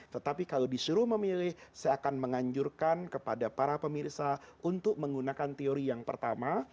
tetapi kalau disuruh memilih saya akan menganjurkan kepada para pemirsa untuk menggunakan teori yang pertama